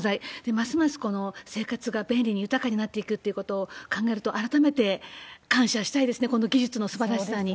ますますこの生活が便利に、豊かになっていくということを考えると、改めて感謝したいですね、この技術のすばらしさに。